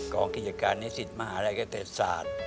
กองกิจการณิสิทธิ์มหาละเกษตรศาสตร์